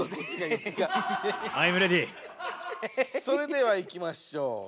それではいきましょう。